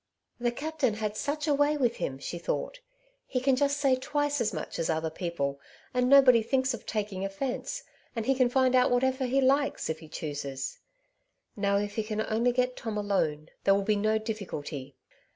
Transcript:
''The captain had such a way with him,'' she thought ; "he can just say twice as much as other people, and nobody thinks of taking oflfence, and he can find out whatever he likes, if he chooses. Now, if he can only get Tom alone, there will be no difficulty.